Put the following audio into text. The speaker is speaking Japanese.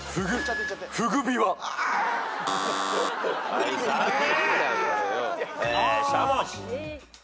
はい残念。